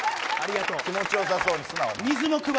気持ちよさそうにするな。